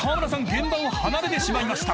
現場を離れてしまいました］